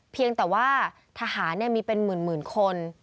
เพียงแต่ว่าทหารมีเป็นหมื่นคน